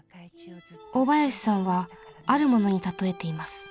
大林さんはあるものに例えています。